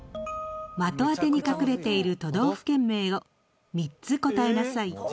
的当てに隠れている都道府県名を３つ答えなさい。